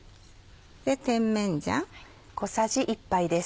甜麺醤。